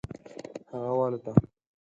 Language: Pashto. هغه والوته.